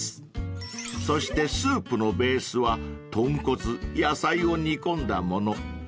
［そしてスープのベースは豚骨野菜を煮込んだもの］